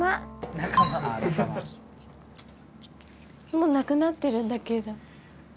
もうなくなってるんだけど。